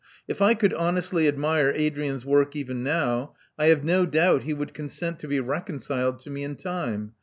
If I could honestly admire Adrian's work even now, I have no doubt he would consent to be reconciled to me in time.